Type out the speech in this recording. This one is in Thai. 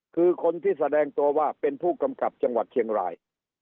คือคนที่แสดงตัวว่าเป็นผู้กำกับจังหวัดเชียงราย